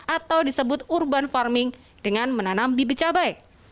atau disebut urban farming dengan menanam bibit cabai